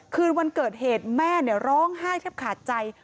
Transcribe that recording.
คืนวันเกิดเหตุแม่ร้องไห้แทบขาดใจ